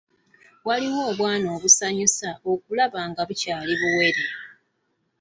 Waliwo obwana obusanyusa okulaba nga bukyali buwere.